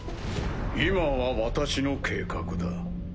今は私の計画だ。